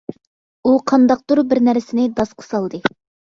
ئۇ قانداقدۇر بىر نەرسىنى داسقا سالدى.